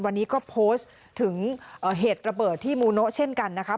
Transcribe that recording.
วันนี้ก็โพสต์ถึงเหตุระเบิดที่มูโนะเช่นกันนะครับ